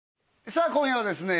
さあ今夜はですね